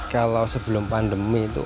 kalau sebelum pandemi itu